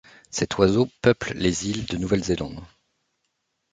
Cet oiseau peuple les îles de Nouvelle-Zélande.